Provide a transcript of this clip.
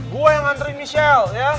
gue yang nganterin michelle ya